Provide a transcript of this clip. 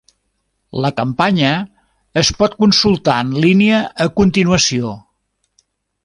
La campanya es pot consultar en línia a continuació.